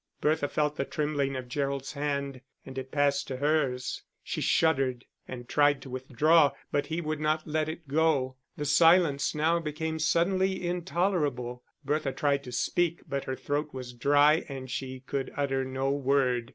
Bertha felt the trembling of Gerald's hand, and it passed to hers. She shuddered and tried to withdraw, but he would not let it go. The silence now became suddenly intolerable: Bertha tried to speak, but her throat was dry, and she could utter no word.